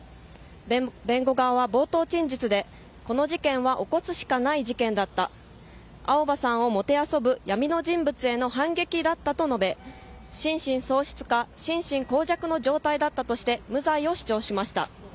弁護側は冒頭陳述で、この事件は起こすしかない事件だった青葉さんをもてあそぶ闇の人物への反撃だったと述べ、心神喪失か心神耗弱の状態だったとして無罪を主張しました。